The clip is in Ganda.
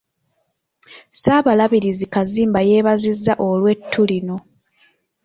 Ssaabalabirizi Kazimba yeebazizza olw'ettu lino .